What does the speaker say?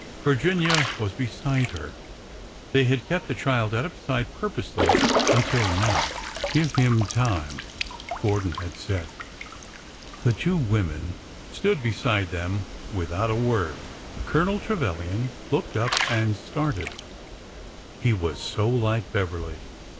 Virginia was beside her. They had kept the child out of sight purposely until now. '' Give him time," Gordon had said. The two women stood beside them, without a word. Colonel Trevilian looked up and started, — he was so like Beverly